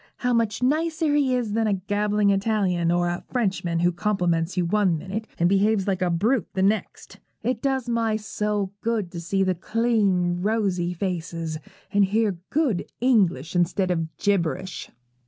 How much nicer he is than a gabbling Italian, or a Frenchman who compliments you one minute and behaves like a brute the next! It does my soul good to see the clean, rosy faces, and hear good English instead of gibberish.'